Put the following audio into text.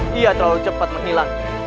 dia terlalu cepat menghilang